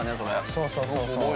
◆そうそうそうそう。